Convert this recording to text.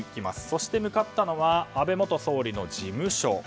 そして向かったのは安倍元総理の事務所。